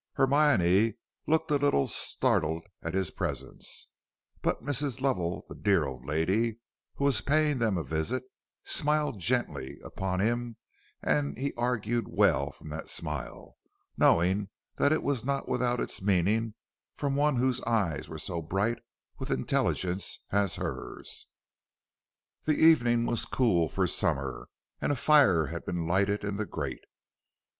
Hermione looked a little startled at his presence, but Mrs. Lovell, the dear old lady who was paying them a visit, smiled gently upon him, and he argued well from that smile, knowing that it was not without its meaning from one whose eyes were so bright with intelligence as her's. The evening was cool for summer, and a fire had been lighted in the grate.